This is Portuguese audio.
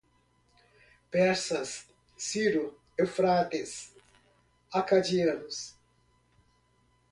Persas, Ciro, Eufrates, acadianos